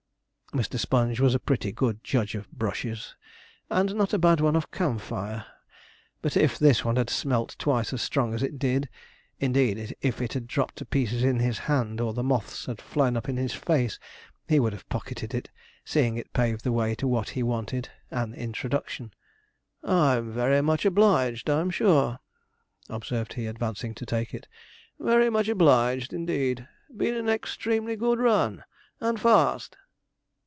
Mr. Sponge was a pretty good judge of brushes, and not a bad one of camphire; but if this one had smelt twice as strong as it did indeed, if it had dropped to pieces in his hand, or the moths had flown up in his face, he would have pocketed it, seeing it paved the way to what he wanted an introduction. 'I'm very much obliged, I'm sure,' observed he, advancing to take it 'very much obliged, indeed; been an extremely good run, and fast.'